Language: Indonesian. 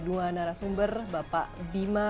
dua narasumber bapak bima